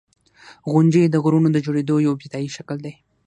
• غونډۍ د غرونو د جوړېدو یو ابتدایي شکل دی.